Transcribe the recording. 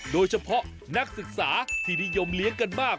โดยเฉพาะนักศึกษาที่นิยมเลี้ยงกันมาก